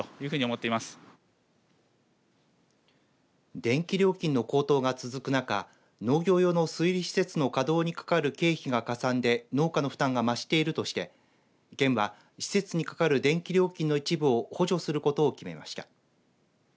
電気料金の高騰が続く中農業用の水利施設の稼働にかかる経費が、かさんで農家の負担が増しているとして県は、施設にかかる電気料金の一部を補助することを決めました。